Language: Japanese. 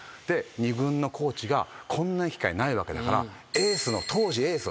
２軍のコーチがこんな機会ないわけだから。